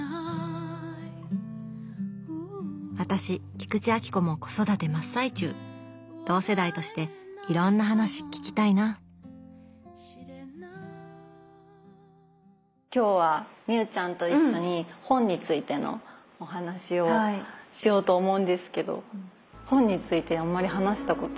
私菊池亜希子も子育て真っ最中同世代としていろんな話聞きたいな今日は美雨ちゃんと一緒に本についてのお話をしようと思うんですけど本についてあんまり話したこと。